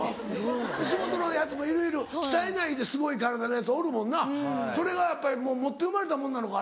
吉本のヤツもいるいる鍛えないですごい体のヤツおるもんなそれがやっぱり持って生まれたもんなのかあれ。